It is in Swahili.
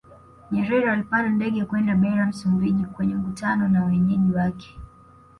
Nyerer alipanda ndege kwenda Beira Msumbiji kwenye mkutano na mwenyeji wake